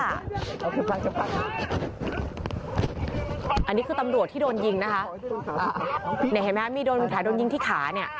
อันนี้คือตำรวจที่โดนยิงนะคะเนี่ยเห็นไหมมีโดนแผลโดนยิงที่ขาเนี่ย